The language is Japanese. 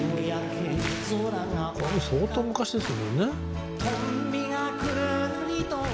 これ相当昔ですもんね。